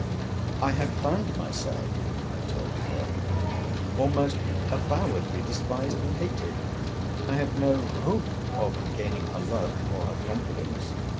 'I had found myself, I told her, almost avowedly despised and hated. I had no hope of gaining her love, or her confidence.